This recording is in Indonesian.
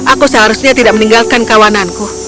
aku seharusnya tidak meninggalkan kawananku